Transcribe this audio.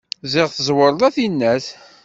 Ziɣ tẓẓewreḍ a tinnat.